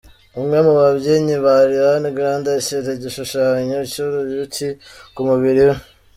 Umwe mu babyinnyi ba Ariana Grande ashyira igishushanyo cy’uruyuki ku mubiri we.